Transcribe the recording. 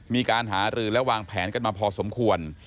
มีการหารือและวางแผนกันมาพอสมควร